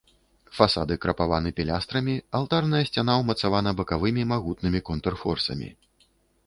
Фасады крапаваны пілястрамі, алтарная сцяна ўмацавана бакавымі магутнымі контрфорсамі.